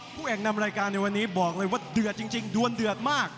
แห่งนำรายการในวันนี้บอกเลยว่าเดือดจริงดวนเดือดมาก